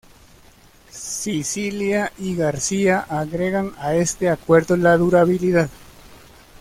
Sicilia y García agregan a este acuerdo la durabilidad.